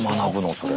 それ。